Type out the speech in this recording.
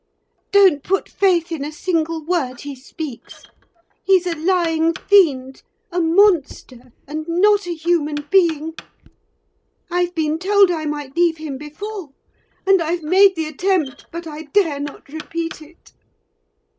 "Don't put faith in a single word he speaks. He's a lying fiend! a monster, and not a human being! I've been told I might leave him before; and I've made the attempt, but I dare not repeat it!